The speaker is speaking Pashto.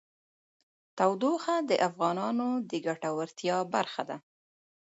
تودوخه د افغانانو د ګټورتیا برخه ده.